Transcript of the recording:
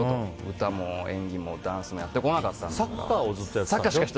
歌も演技もダンスもやってこなかったんだからって。